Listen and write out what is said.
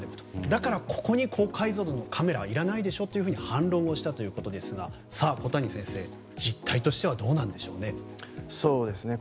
だから、ここに高解像度のカメラはいらないでしょというふうに反論をしたということですがさあ、小谷先生実態としてはどうなんでしょう。